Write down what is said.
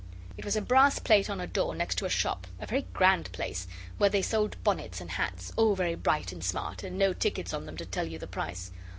It was a brass plate on a door next to a shop a very grand place, where they sold bonnets and hats all very bright and smart, and no tickets on them to tell you the price.